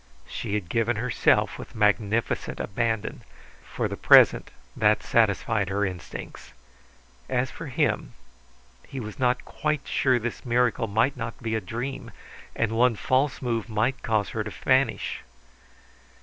She had given herself with magnificent abandon; for the present that satisfied her instincts. As for him, he was not quite sure this miracle might not be a dream, and one false move might cause her to vanish.